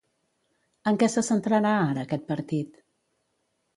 En què se centrarà ara aquest partit?